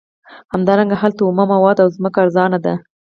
همدارنګه هلته اومه مواد او ځمکه ارزانه ده